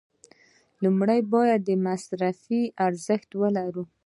لومړی باید مصرفي ارزښت ولري.